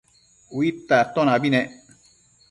Uidta atonabi nec